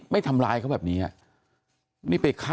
ไม้ธรรมายเขาแบบนี้ไง